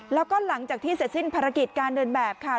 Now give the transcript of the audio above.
แล้วก็หลังจากที่เสร็จสิ้นภารกิจการเดินแบบค่ะ